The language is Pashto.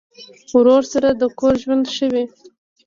ورور سره د کور ژوند ښه وي.